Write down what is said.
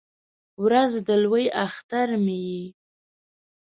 ورځ د لوی اختر مې یې